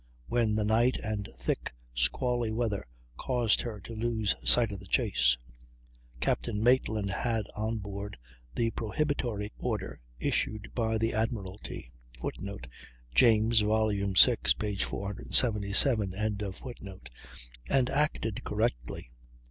when the night and thick squally weather caused her to lose sight of the chase. Captain Maitland had on board the prohibitory order issued by the admiralty, [Footnote: James, vi, 477.] and acted correctly.